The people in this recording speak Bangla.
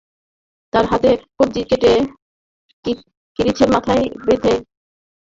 তাঁর হাতের কবজি কেটে কিরিচের মাথায় গেঁথে শিবির ভরদুপুরে ক্যাম্পাসে মিছিল করেছিল।